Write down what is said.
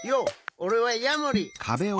おれはヤモリ！